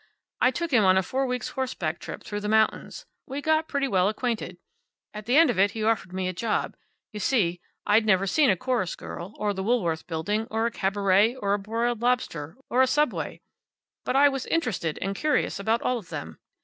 I took him on a four weeks' horseback trip through the mountains. We got pretty well acquainted. At the end of it he offered me a job. You see, I'd never seen a chorus girl, or the Woolworth building, or a cabaret, or a broiled lobster, or a subway. But I was interested and curious about all of them.